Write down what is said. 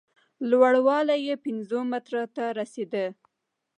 لوړوالی یې پینځو مترو ته رسېده.